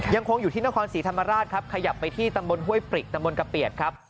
ยังคงอยู่ที่นครศรีธรรมราชครับขยับไปที่ตำบลห้วยปริกตำบลกะเปียดครับ